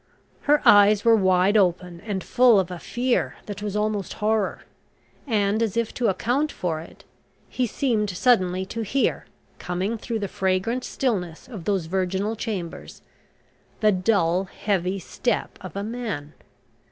Her eyes were wide open, and full of a fear that was almost horror, and, as if to account for it, he seemed suddenly to hear, coming through the fragrant stillness of those virginal chambers, the dull heavy step of a man.